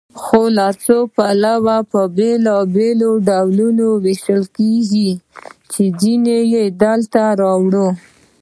له څو پلوه په بېلابېلو ډولونو ویشل کیږي چې ځینې یې دلته راوړو.